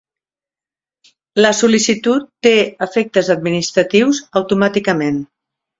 La sol·licitud té efectes administratius automàticament.